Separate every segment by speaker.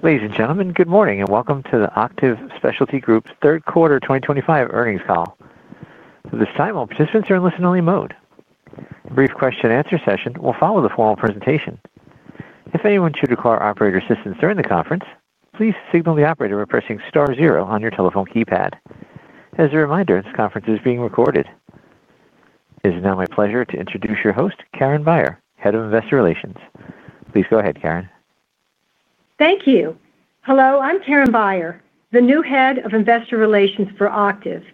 Speaker 1: Ladies and gentlemen, good morning and welcome to the Octave Specialty Group's Third Quarter 2025 Earnings Call. At this time, all participants are in listen-only mode. A brief question-and-answer session will follow the formal presentation. If anyone should require operator assistance during the conference, please signal the operator by pressing star zero on your telephone keypad. As a reminder, this conference is being recorded. It is now my pleasure to introduce your host, Karen Beyer, Head of Investor Relations. Please go ahead, Karen.
Speaker 2: Thank you. Hello, I'm Karen Beyer, the new Head of Investor Relations for Octave,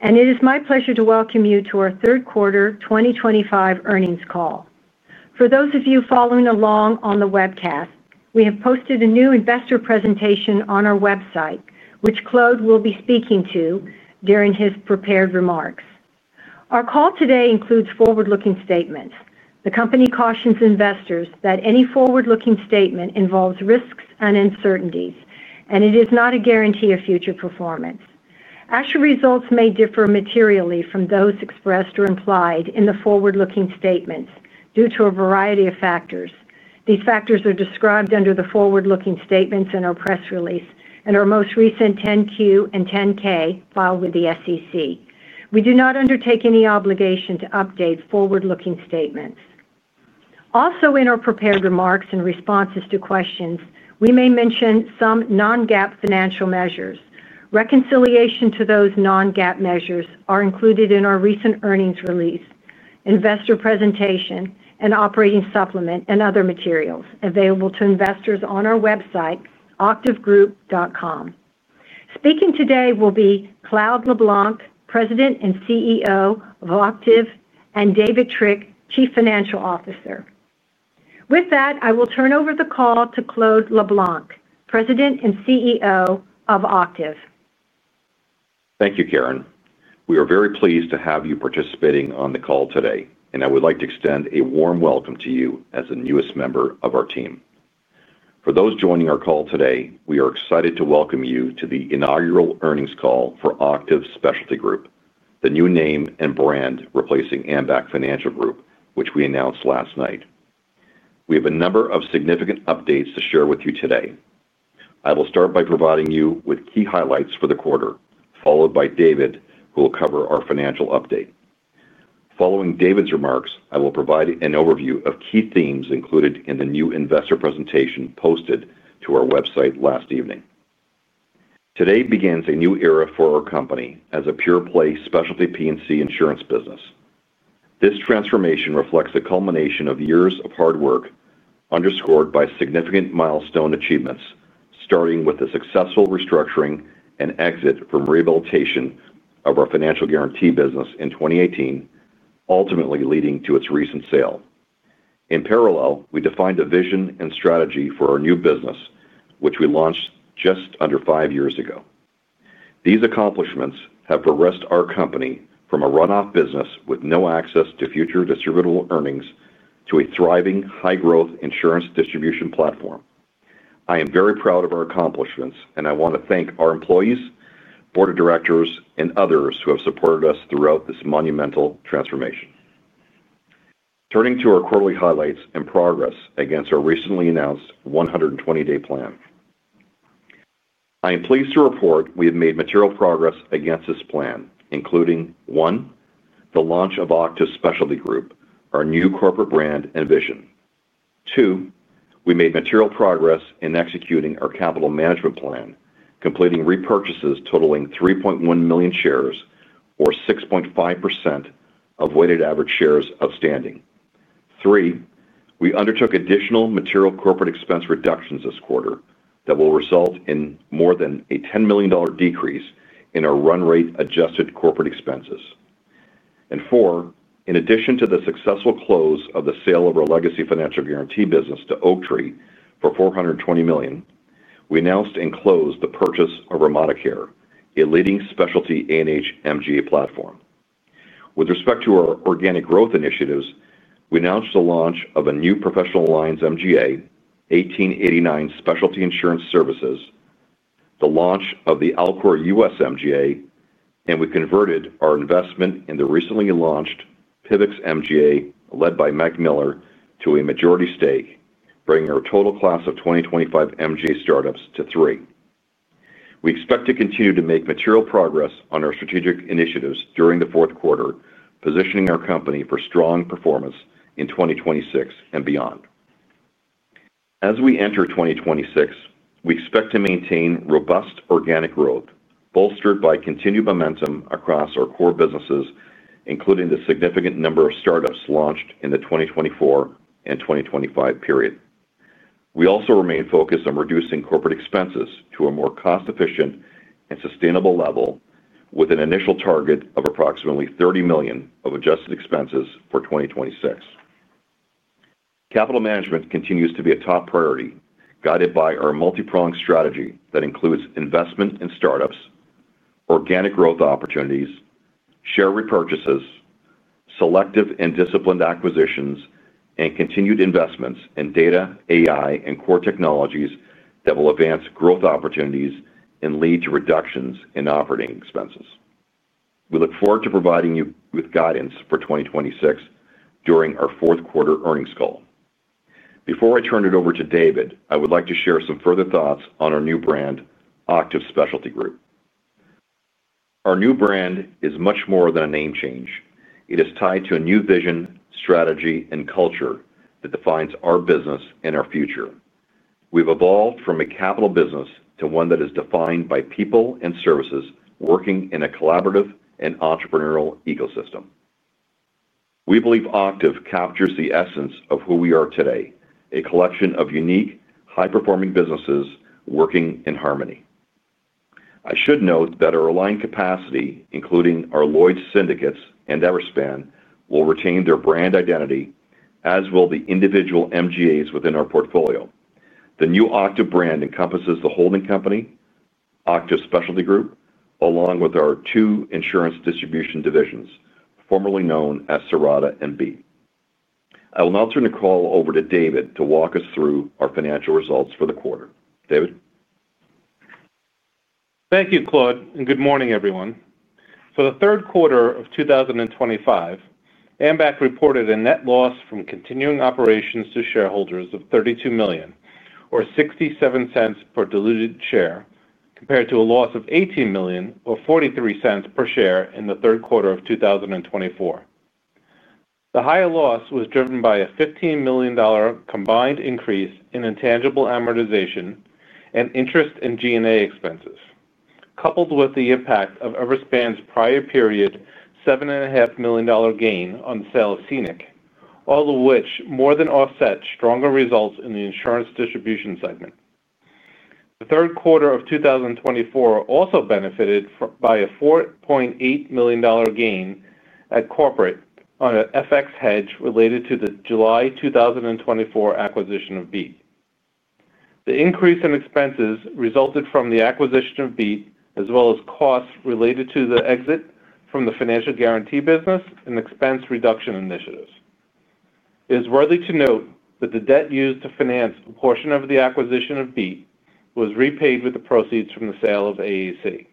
Speaker 2: and it is my pleasure to welcome you to our Third Quarter 2025 Earnings Call. For those of you following along on the webcast, we have posted a new investor presentation on our website, which Claude will be speaking to during his prepared remarks. Our call today includes forward-looking statements. The company cautions investors that any forward-looking statement involves risks and uncertainties, and it is not a guarantee of future performance. Actual results may differ materially from those expressed or implied in the forward-looking statements due to a variety of factors. These factors are described under the forward-looking statements in our press release and our most recent 10-Q and 10-K filed with the SEC. We do not undertake any obligation to update forward-looking statements. Also, in our prepared remarks and responses to questions, we may mention some non-GAAP financial measures. Reconciliation to those non-GAAP measures is included in our recent earnings release, investor presentation, and operating supplement and other materials available to investors on our website, octavegroup.com. Speaking today will be Claude LeBlanc, President and CEO of Octave, and David Trick, Chief Financial Officer. With that, I will turn over the call to Claude LeBlanc, President and CEO of Octave.
Speaker 3: Thank you, Karen. We are very pleased to have you participating on the call today, and I would like to extend a warm welcome to you as the newest member of our team. For those joining our call today, we are excited to welcome you to the inaugural earnings call for Octave Specialty Group, the new name and brand replacing Ambac Financial Group, which we announced last night. We have a number of significant updates to share with you today. I will start by providing you with key highlights for the quarter, followed by David, who will cover our financial update. Following David's remarks, I will provide an overview of key themes included in the new investor presentation posted to our website last evening. Today begins a new era for our company as a pure-play specialty P&C insurance business. This transformation reflects the culmination of years of hard work underscored by significant milestone achievements, starting with the successful restructuring and exit from rehabilitation of our financial guarantee business in 2018, ultimately leading to its recent sale. In parallel, we defined a vision and strategy for our new business, which we launched just under five years ago. These accomplishments have progressed our company from a run-off business with no access to future distributable earnings to a thriving, high-growth insurance distribution platform. I am very proud of our accomplishments, and I want to thank our employees, board of directors, and others who have supported us throughout this monumental transformation. Turning to our quarterly highlights and progress against our recently announced 120-day plan, I am pleased to report we have made material progress against this plan, including: one, the launch of Octave Specialty Group, our new corporate brand and vision. Two, we made material progress in executing our capital management plan, completing repurchases totaling 3.1 million shares, or 6.5% of weighted average shares outstanding. Three, we undertook additional material corporate expense reductions this quarter that will result in more than a $10 million decrease in our run-rate adjusted corporate expenses. Four, in addition to the successful close of the sale of our legacy financial guarantee business to Oaktree for $420 million, we announced and closed the purchase of RemadaCare, a leading specialty A&H MGA platform. With respect to our organic growth initiatives, we announced the launch of a new professional lines MGA, 1889 Specialty Insurance Services, the launch of the Alcor US MGA, and we converted our investment in the recently launched PIVX MGA led by Mac Miller to a majority stake, bringing our total class of 2025 MGA startups to three. We expect to continue to make material progress on our strategic initiatives during the fourth quarter, positioning our company for strong performance in 2026 and beyond. As we enter 2026, we expect to maintain robust organic growth bolstered by continued momentum across our core businesses, including the significant number of startups launched in the 2024 and 2025 period. We also remain focused on reducing corporate expenses to a more cost-efficient and sustainable level, with an initial target of approximately $30 million of adjusted expenses for 2026. Capital management continues to be a top priority, guided by our multi-pronged strategy that includes investment in startups, organic growth opportunities, share repurchases, selective and disciplined acquisitions, and continued investments in data, AI, and core technologies that will advance growth opportunities and lead to reductions in operating expenses. We look forward to providing you with guidance for 2026 during our fourth quarter earnings call. Before I turn it over to David, I would like to share some further thoughts on our new brand, Octave Specialty Group. Our new brand is much more than a name change. It is tied to a new vision, strategy, and culture that defines our business and our future. We've evolved from a capital business to one that is defined by people and services working in a collaborative and entrepreneurial ecosystem. We believe Octave captures the essence of who we are today, a collection of unique, high-performing businesses working in harmony. I should note that our aligned capacity, including our Lloyds Syndicates and Everespan, will retain their brand identity, as will the individual MGAs within our portfolio. The new Octave brand encompasses the holding company, Octave Specialty Group, along with our two insurance distribution divisions, formerly known as Cirrata and Beat. I will now turn the call over to David to walk us through our financial results for the quarter. David.
Speaker 4: Thank you, Claude, and good morning, everyone. For the third quarter of 2025, Ambac reported a net loss from continuing operations to shareholders of $32 million, or $0.67 per diluted share, compared to a loss of $18 million, or $0.43 per share in the third quarter of 2024. The higher loss was driven by a $15 million combined increase in intangible amortization and interest in G&A expenses, coupled with the impact of Everespan's prior period $7.5 million gain on the sale of Scenic, all of which more than offset stronger results in the insurance distribution segment. The third quarter of 2024 also benefited by a $4.8 million gain at corporate on an FX hedge related to the July 2024 acquisition of Beat. The increase in expenses resulted from the acquisition of Beat, as well as costs related to the exit from the financial guarantee business and expense reduction initiatives. It is worthy to note that the debt used to finance a portion of the acquisition of Beat was repaid with the proceeds from the sale of AAC.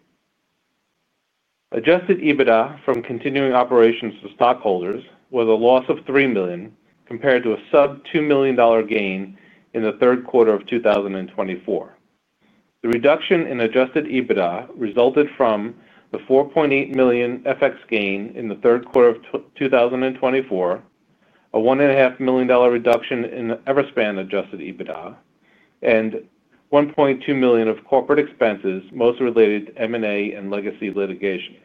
Speaker 4: Adjusted EBITDA from continuing operations to stockholders was a loss of $3 million, compared to a sub-$2 million gain in the third quarter of 2024. The reduction in adjusted EBITDA resulted from the $4.8 million FX gain in the third quarter of 2024, a $1.5 million reduction in Everespan adjusted EBITDA, and $1.2 million of corporate expenses most related to M&A and legacy litigation.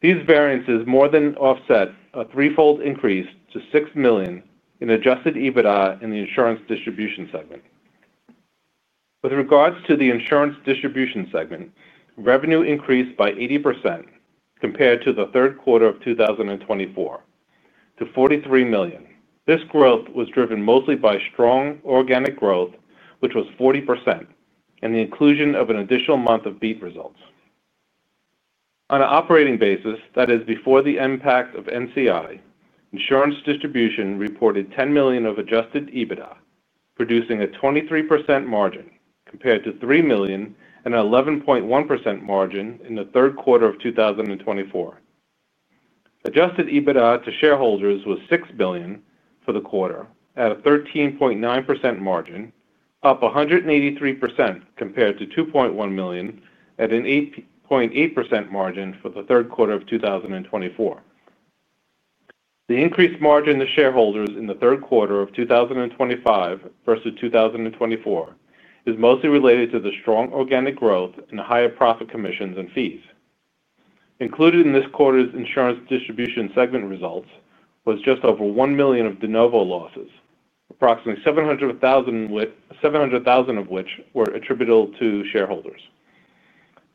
Speaker 4: These variances more than offset a threefold increase to $6 million in adjusted EBITDA in the insurance distribution segment. With regards to the insurance distribution segment, revenue increased by 80% compared to the third quarter of 2024, to $43 million. This growth was driven mostly by strong organic growth, which was 40%, and the inclusion of an additional month of Beat results. On an operating basis, that is, before the impact of NCI, insurance distribution reported $10 million of adjusted EBITDA, producing a 23% margin compared to $3 million and an 11.1% margin in the third quarter of 2024. Adjusted EBITDA to shareholders was $6 million for the quarter, at a 13.9% margin, up 183% compared to $2.1 million at an 8.8% margin for the third quarter of 2024. The increased margin to shareholders in the third quarter of 2025 versus 2024 is mostly related to the strong organic growth and higher profit commissions and fees. Included in this quarter's insurance distribution segment results was just over $1 million of de novo losses, approximately $700,000 of which were attributable to shareholders.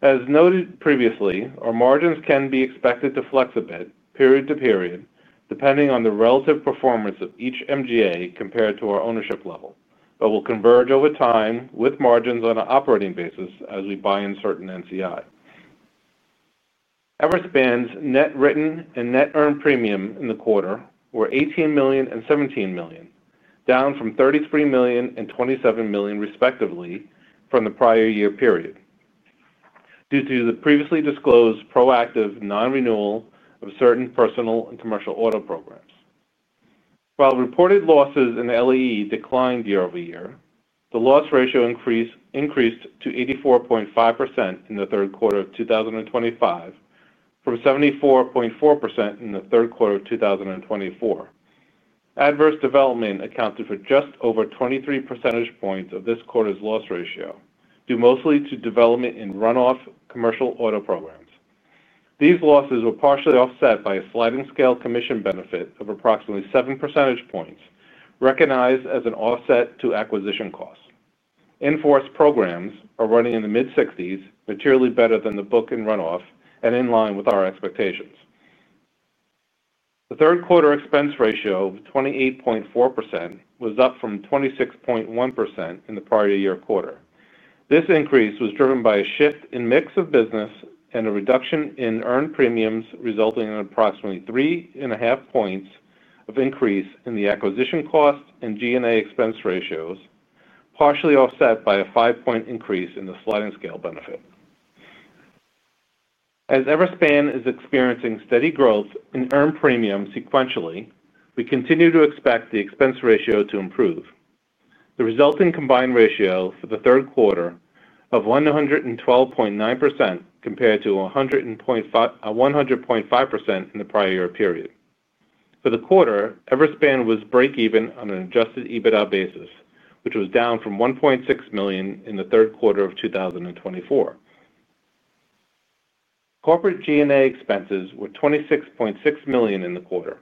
Speaker 4: As noted previously, our margins can be expected to flex a bit period to period, depending on the relative performance of each MGA compared to our ownership level, but will converge over time with margins on an operating basis as we buy in certain NCI. Everespan's net written and net earned premium in the quarter were $18 million and $17 million, down from $33 million and $27 million, respectively, from the prior year period, due to the previously disclosed proactive non-renewal of certain personal and commercial auto programs. While reported losses in LEE declined year-over-year, the loss ratio increased to 84.5% in the third quarter of 2025, from 74.4% in the third quarter of 2024. Adverse development accounted for just over 23 percentage points of this quarter's loss ratio, due mostly to development in run-off commercial auto programs. These losses were partially offset by a sliding scale commission benefit of approximately 7 percentage points, recognized as an offset to acquisition costs. Enforced programs are running in the mid-60s, materially better than the book and run-off, and in line with our expectations. The third quarter expense ratio of 28.4% was up from 26.1% in the prior year quarter. This increase was driven by a shift in mix of business and a reduction in earned premiums, resulting in approximately 3.5 percentage points of increase in the acquisition cost and G&A expense ratios, partially offset by a 5-percentage point increase in the sliding scale benefit. As Everespan is experiencing steady growth in earned premiums sequentially, we continue to expect the expense ratio to improve. The resulting combined ratio for the third quarter was 112.9% compared to 100.5% in the prior year period. For the quarter, Everespan was break-even on an adjusted EBITDA basis, which was down from $1.6 million in the third quarter of 2024. Corporate G&A expenses were $26.6 million in the quarter,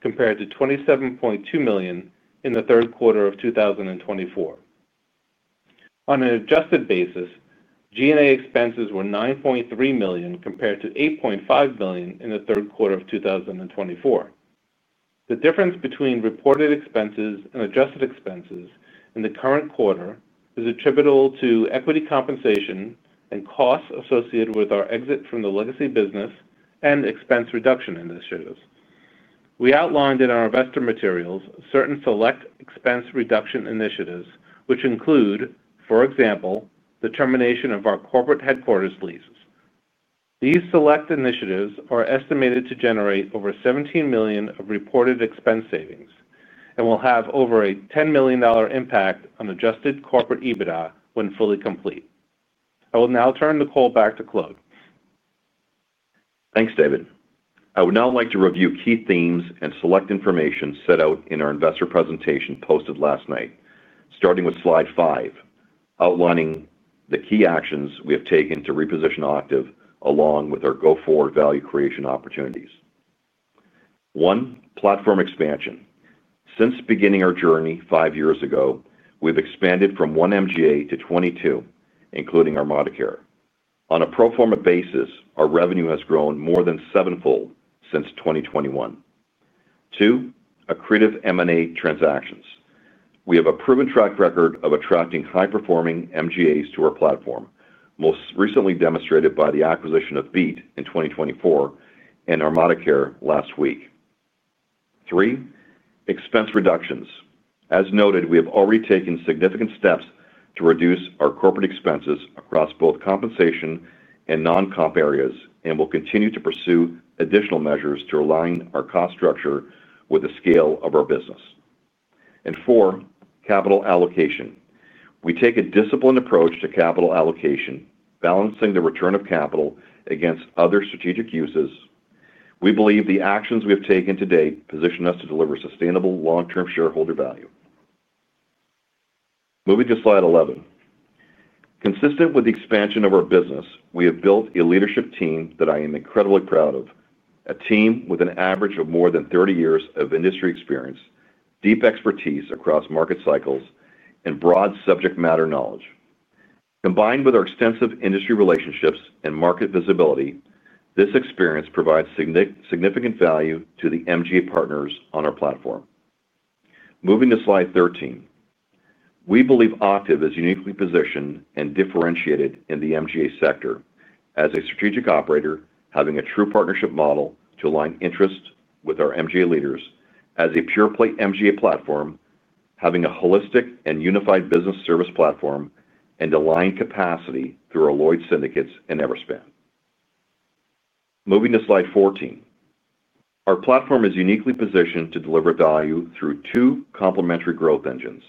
Speaker 4: compared to $27.2 million in the third quarter of 2024. On an adjusted basis, G&A expenses were $9.3 million compared to $8.5 million in the third quarter of 2024. The difference between reported expenses and adjusted expenses in the current quarter is attributable to equity compensation and costs associated with our exit from the legacy business and expense reduction initiatives. We outlined in our investor materials certain select expense reduction initiatives, which include, for example, the termination of our corporate headquarters leases. These select initiatives are estimated to generate over $17 million of reported expense savings and will have over a $10 million impact on adjusted corporate EBITDA when fully complete. I will now turn the call back to Claude.
Speaker 3: Thanks, David. I would now like to review key themes and select information set out in our investor presentation posted last night, starting with slide five, outlining the key actions we have taken to reposition Octave along with our go-forward value creation opportunities. One, platform expansion. Since beginning our journey five years ago, we have expanded from one MGA to 22, including RemadaCare. On a pro forma basis, our revenue has grown more than seven-fold since 2021. Two, accretive M&A transactions. We have a proven track record of attracting high-performing MGAs to our platform, most recently demonstrated by the acquisition of Beat in 2024 and RemadaCare last week. Three, expense reductions. As noted, we have already taken significant steps to reduce our corporate expenses across both compensation and non-comp areas and will continue to pursue additional measures to align our cost structure with the scale of our business. Fourth, capital allocation. We take a disciplined approach to capital allocation, balancing the return of capital against other strategic uses. We believe the actions we have taken to date position us to deliver sustainable long-term shareholder value. Moving to slide 11. Consistent with the expansion of our business, we have built a leadership team that I am incredibly proud of, a team with an average of more than 30 years of industry experience, deep expertise across market cycles, and broad subject matter knowledge. Combined with our extensive industry relationships and market visibility, this experience provides significant value to the MGA partners on our platform. Moving to slide 13. We believe Octave is uniquely positioned and differentiated in the MGA sector as a strategic operator, having a true partnership model to align interests with our MGA leaders, as a pure-play MGA platform, having a holistic and unified business service platform, and aligned capacity through our Lloyds syndicates and Everespan. Moving to slide 14. Our platform is uniquely positioned to deliver value through two complementary growth engines: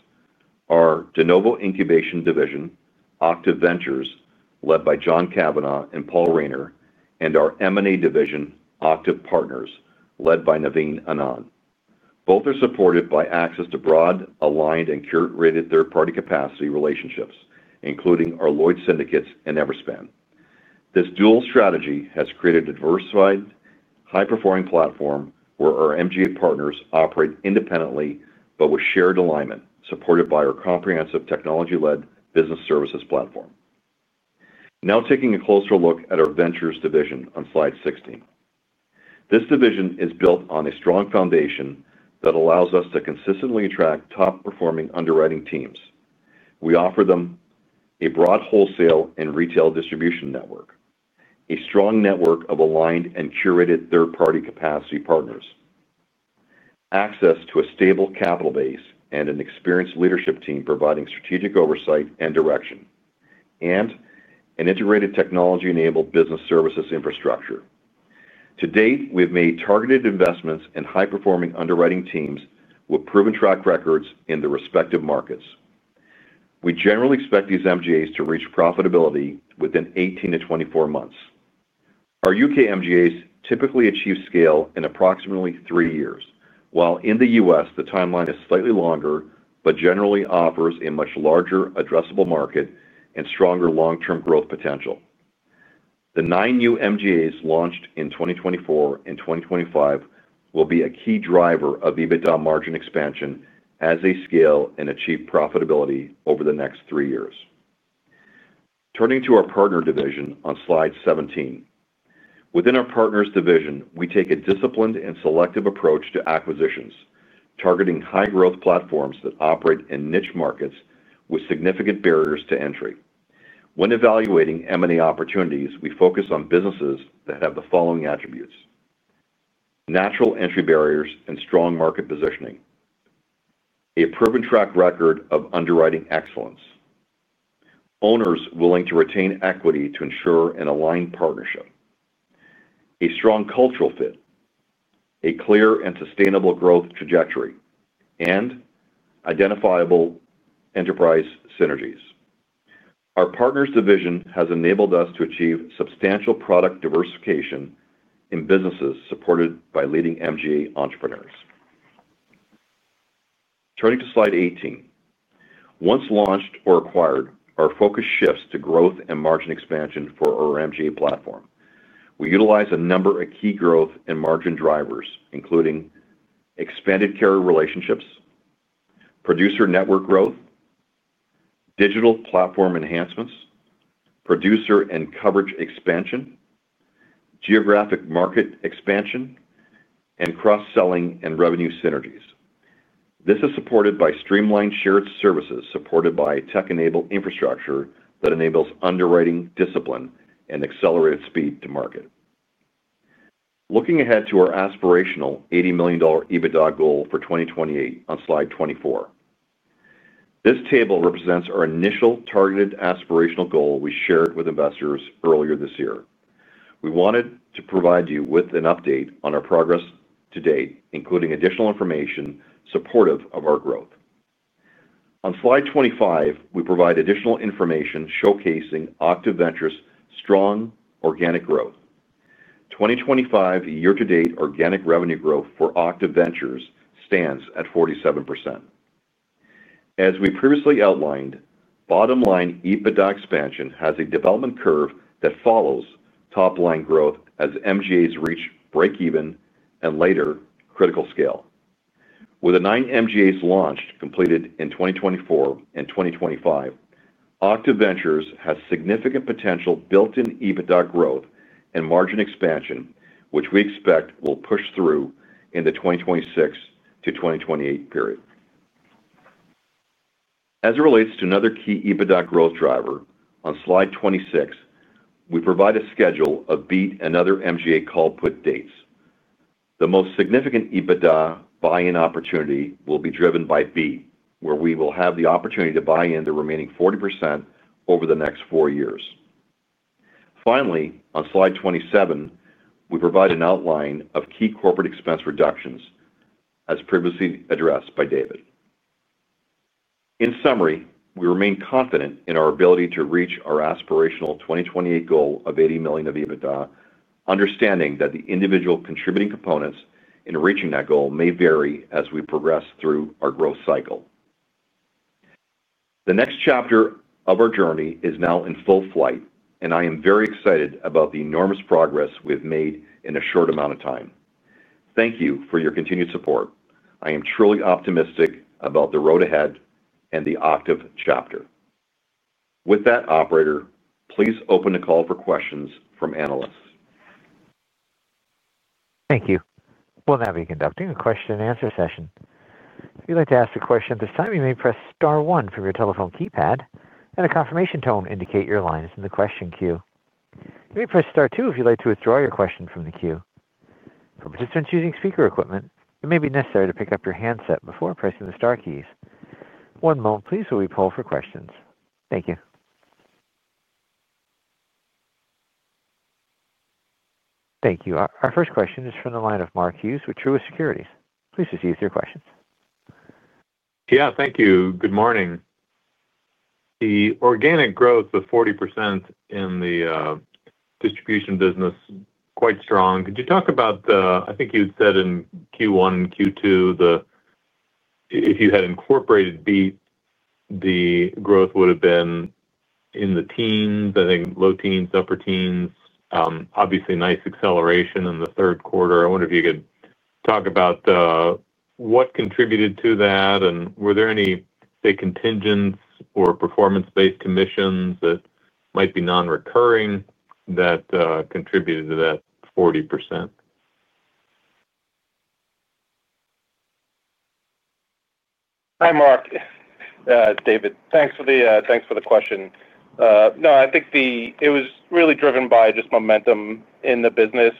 Speaker 3: our de novo incubation division, Octave Ventures, led by John Cavanagh and Paul Rayner, and our M&A division, Octave Partners, led by Naveen Anand. Both are supported by access to broad, aligned, and curated third-party capacity relationships, including our Lloyds syndicates and Everespan. This dual strategy has created a diversified, high-performing platform where our MGA partners operate independently but with shared alignment, supported by our comprehensive technology-led business services platform. Now taking a closer look at our Ventures division on slide 16. This division is built on a strong foundation that allows us to consistently attract top-performing underwriting teams. We offer them a broad wholesale and retail distribution network, a strong network of aligned and curated third-party capacity partners, access to a stable capital base and an experienced leadership team providing strategic oversight and direction, and an integrated technology-enabled business services infrastructure. To date, we have made targeted investments in high-performing underwriting teams with proven track records in the respective markets. We generally expect these MGAs to reach profitability within 18-24 months. Our U.K. MGAs typically achieve scale in approximately three years, while in the U.S., the timeline is slightly longer but generally offers a much larger, addressable market and stronger long-term growth potential. The nine new MGAs launched in 2024 and 2025 will be a key driver of EBITDA margin expansion as they scale and achieve profitability over the next three years. Turning to our partners division on slide 17. Within our partners division, we take a disciplined and selective approach to acquisitions, targeting high-growth platforms that operate in niche markets with significant barriers to entry. When evaluating M&A opportunities, we focus on businesses that have the following attributes: natural entry barriers and strong market positioning, a proven track record of underwriting excellence, owners willing to retain equity to ensure an aligned partnership, a strong cultural fit, a clear and sustainable growth trajectory, and identifiable enterprise synergies. Our partners division has enabled us to achieve substantial product diversification in businesses supported by leading MGA entrepreneurs. Turning to slide 18. Once launched or acquired, our focus shifts to growth and margin expansion for our MGA platform. We utilize a number of key growth and margin drivers, including expanded carrier relationships, producer network growth, digital platform enhancements, producer and coverage expansion, geographic market expansion, and cross-selling and revenue synergies. This is supported by streamlined shared services supported by tech-enabled infrastructure that enables underwriting discipline and accelerated speed to market. Looking ahead to our aspirational $80 million EBITDA goal for 2028 on slide 24. This table represents our initial targeted aspirational goal we shared with investors earlier this year. We wanted to provide you with an update on our progress to date, including additional information supportive of our growth. On slide 25, we provide additional information showcasing Octave Ventures' strong organic growth. 2025 year-to-date organic revenue growth for Octave Ventures stands at 47%. As we previously outlined, bottom-line EBITDA expansion has a development curve that follows top-line growth as MGAs reach break-even and later critical scale. With the nine MGAs launched, completed in 2024 and 2025, Octave Ventures has significant potential built-in EBITDA growth and margin expansion, which we expect will push through in the 2026-2028 period. As it relates to another key EBITDA growth driver, on slide 26, we provide a schedule of Beat and other MGA call put dates. The most significant EBITDA buy-in opportunity will be driven by Beat, where we will have the opportunity to buy in the remaining 40% over the next four years. Finally, on slide 27, we provide an outline of key corporate expense reductions, as previously addressed by David. In summary, we remain confident in our ability to reach our aspirational 2028 goal of $80 million of EBITDA, understanding that the individual contributing components in reaching that goal may vary as we progress through our growth cycle. The next chapter of our journey is now in full flight, and I am very excited about the enormous progress we have made in a short amount of time. Thank you for your continued support. I am truly optimistic about the road ahead and the Octave chapter. With that, Operator, please open the call for questions from analysts.
Speaker 1: Thank you. We'll now be conducting a question-and-answer session. If you'd like to ask a question at this time, you may press Star 1 from your telephone keypad, and a confirmation tone will indicate your line is in the question queue. You may press Star 2 if you'd like to withdraw your question from the queue. For participants using speaker equipment, it may be necessary to pick up your handset before pressing the Star keys. One moment, please, while we poll for questions. Thank you. Our first question is from the line of Mark Hughes with Truist Securities. Please just use your questions.
Speaker 5: Yeah, thank you. Good morning. The organic growth of 40% in the distribution business is quite strong. Could you talk about the—I think you had said in Q1 and Q2 that if you had incorporated Beat, the growth would have been in the teens, I think low teens, upper teens, obviously nice acceleration in the third quarter. I wonder if you could talk about what contributed to that, and were there any, say, contingents or performance-based commissions that might be non-recurring that contributed to that 40%?
Speaker 4: Hi, Mark. It's David. Thanks for the question. No, I think it was really driven by just momentum in the business.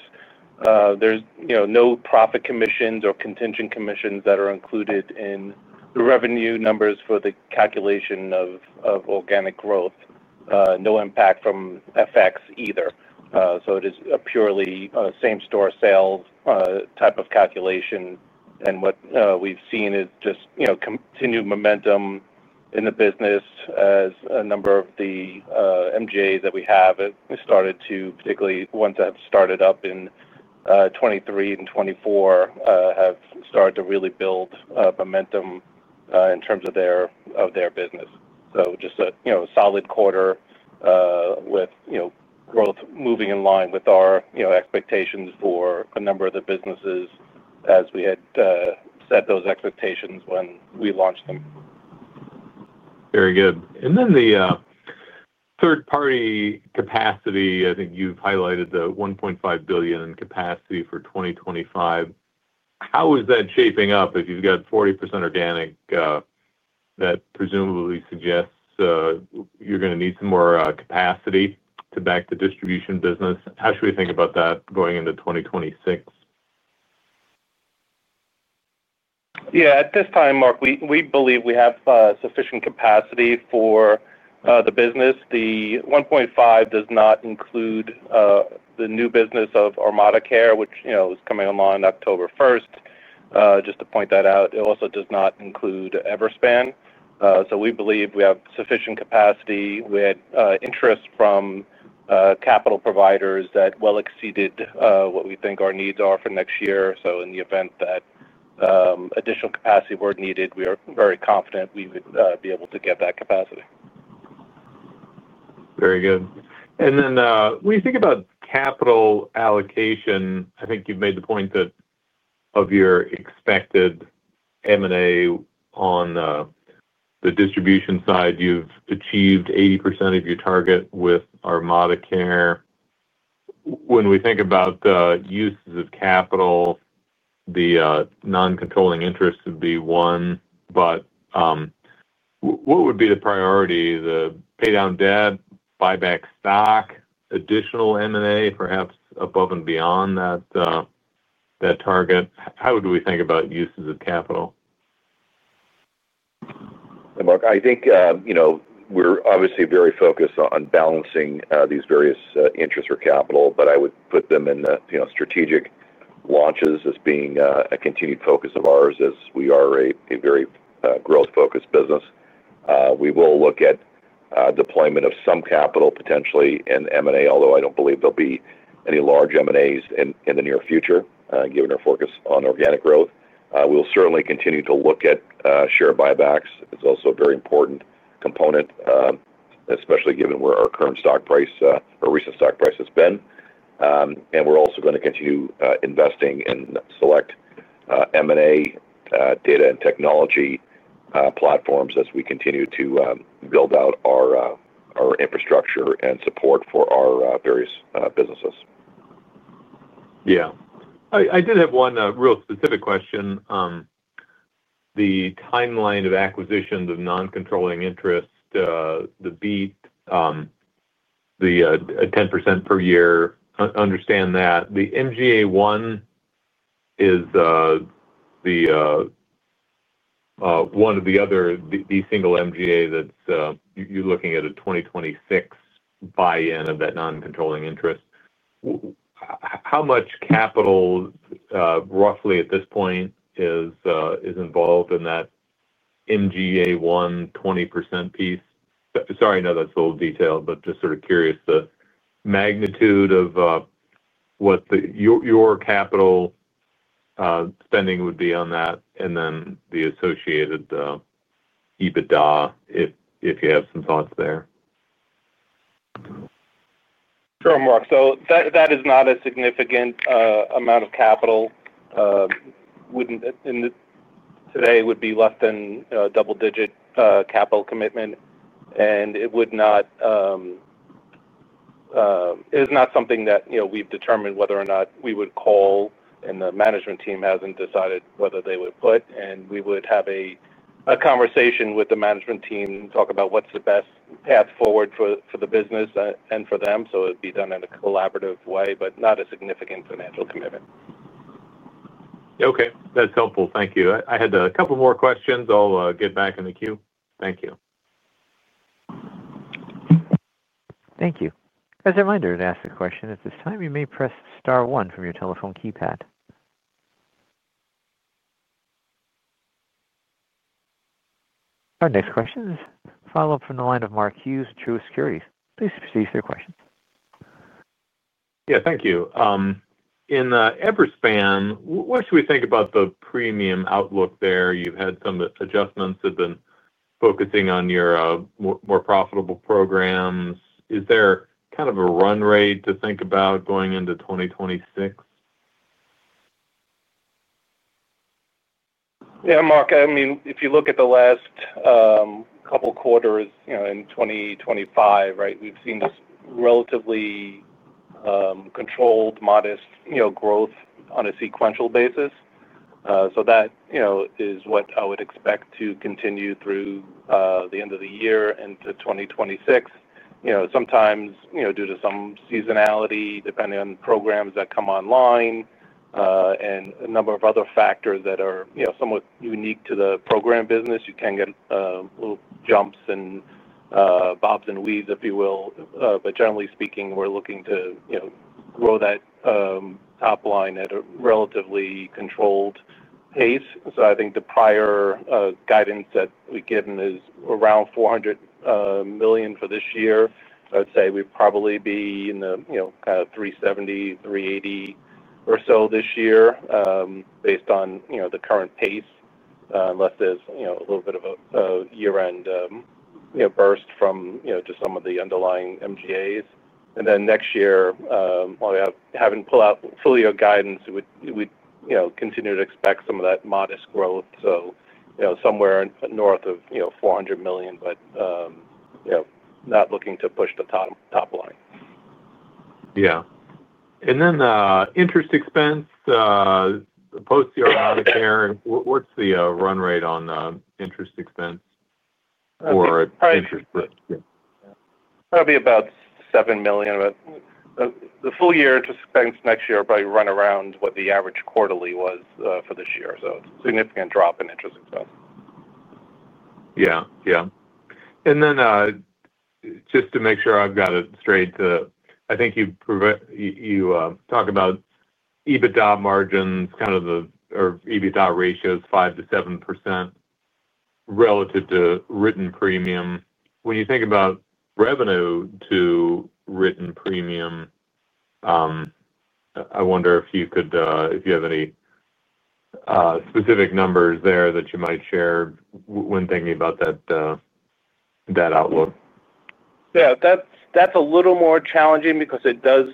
Speaker 4: There's no profit commissions or contingent commissions that are included in the revenue numbers for the calculation of organic growth. No impact from FX either. It is a purely same-store sales type of calculation. What we've seen is just continued momentum in the business as a number of the MGAs that we have, particularly ones that have started up in 2023 and 2024, have started to really build momentum in terms of their business. Just a solid quarter with growth moving in line with our expectations for a number of the businesses as we had set those expectations when we launched them.
Speaker 5: Very good. And then the third-party capacity, I think you've highlighted the $1.5 billion in capacity for 2025. How is that shaping up if you've got 40% organic? That presumably suggests you're going to need some more capacity to back the distribution business. How should we think about that going into 2026?
Speaker 4: Yeah. At this time, Mark, we believe we have sufficient capacity for the business. The 1.5 does not include the new business of RemadaCare, which is coming online October 1. Just to point that out, it also does not include Everespan. We believe we have sufficient capacity. We had interest from capital providers that well exceeded what we think our needs are for next year. In the event that additional capacity were needed, we are very confident we would be able to get that capacity.
Speaker 5: Very good. When you think about capital allocation, I think you've made the point that of your expected M&A on the distribution side, you've achieved 80% of your target with RemadaCare. When we think about uses of capital, the non-controlling interest would be one. What would be the priority? Pay down debt, buy back stock, additional M&A, perhaps above and beyond that target? How do we think about uses of capital?
Speaker 3: Hey, Mark. I think we're obviously very focused on balancing these various interests for capital, but I would put them in the strategic launches as being a continued focus of ours as we are a very growth-focused business. We will look at deployment of some capital potentially in M&A, although I don't believe there'll be any large M&As in the near future given our focus on organic growth. We'll certainly continue to look at share buybacks. It's also a very important component, especially given where our current stock price or recent stock price has been. We're also going to continue investing in select M&A data and technology platforms as we continue to build out our infrastructure and support for our various businesses.
Speaker 5: Yeah. I did have one real specific question. The timeline of acquisitions of non-controlling interest, the Beat, the 10% per year, understand that. The MGA1 is one of the other—the single MGA that you're looking at a 2026 buy-in of that non-controlling interest. How much capital, roughly at this point, is involved in that MGA1 20% piece? Sorry, I know that's a little detailed, but just sort of curious the magnitude of what your capital spending would be on that, and then the associated EBITDA, if you have some thoughts there.
Speaker 4: Sure, Mark. That is not a significant amount of capital. Today, it would be less than a double-digit capital commitment. It is not something that we've determined whether or not we would call, and the management team hasn't decided whether they would put. We would have a conversation with the management team and talk about what's the best path forward for the business and for them. It would be done in a collaborative way, but not a significant financial commitment.
Speaker 5: Okay. That's helpful. Thank you. I had a couple more questions. I'll get back in the queue. Thank you.
Speaker 1: Thank you. As a reminder to ask a question at this time, you may press Star 1 from your telephone keypad. Our next question is a follow-up from the line of Mark Hughes at Truist Securities. Please proceed to your questions.
Speaker 5: Yeah. Thank you. In Everespan, what should we think about the premium outlook there? You've had some adjustments that have been focusing on your more profitable programs. Is there kind of a run rate to think about going into 2026?
Speaker 4: Yeah, Mark. I mean, if you look at the last couple of quarters in 2025, right, we've seen this relatively controlled, modest growth on a sequential basis. That is what I would expect to continue through the end of the year into 2026. Sometimes, due to some seasonality, depending on programs that come online and a number of other factors that are somewhat unique to the program business, you can get little jumps and bobs and weeds, if you will. Generally speaking, we're looking to grow that top line at a relatively controlled pace. I think the prior guidance that we've given is around $400 million for this year. I'd say we'd probably be in the kind of $370-$380 or so this year based on the current pace, unless there's a little bit of a year-end burst from just some of the underlying MGAs. Next year, while we haven't pulled out fully our guidance, we'd continue to expect some of that modest growth. Somewhere north of $400 million, but not looking to push the top line.
Speaker 5: Yeah. And then interest expense, post-RemadaCare, what's the run rate on interest expense or interest rate?
Speaker 4: Probably about $7 million. The full year interest expense next year will probably run around what the average quarterly was for this year. It is a significant drop in interest expense.
Speaker 5: Yeah. Yeah. And then just to make sure I've got it straight, I think you talk about EBITDA margins, kind of the EBITDA ratios, 5-7% relative to written premium. When you think about revenue to written premium, I wonder if you have any specific numbers there that you might share when thinking about that outlook.
Speaker 4: Yeah. That's a little more challenging because it does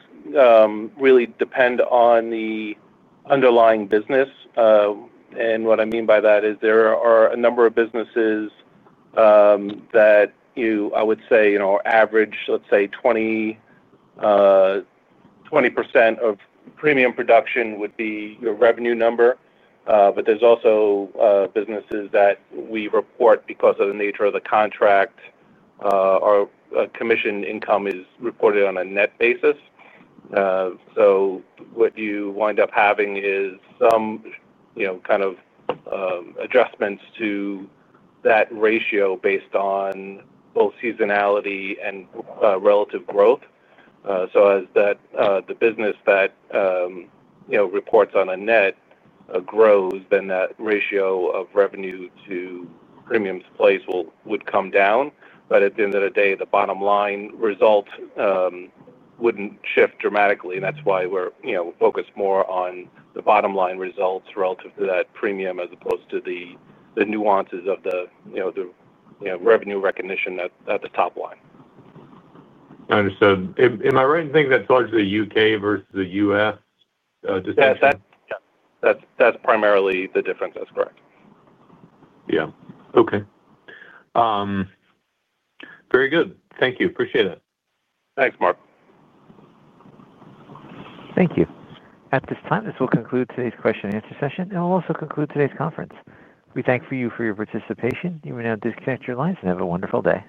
Speaker 4: really depend on the underlying business. What I mean by that is there are a number of businesses that I would say average, let's say, 20% of premium production would be your revenue number. There are also businesses that we report because of the nature of the contract, our commission income is reported on a net basis. What you wind up having is some kind of adjustments to that ratio based on both seasonality and relative growth. As the business that reports on a net grows, then that ratio of revenue to premiums placed would come down. At the end of the day, the bottom line result wouldn't shift dramatically. That's why we're focused more on the bottom line results relative to that premium as opposed to the nuances of the revenue recognition at the top line.
Speaker 5: Understood. Am I right in thinking that's largely U.K. versus the U.S.?
Speaker 4: Yeah. That's primarily the difference. That's correct.
Speaker 5: Yeah. Okay. Very good. Thank you. Appreciate it.
Speaker 4: Thanks, Mark.
Speaker 1: Thank you. At this time, this will conclude today's question-and-answer session, and we'll also conclude today's conference. We thank you for your participation. You may now disconnect your lines and have a wonderful day.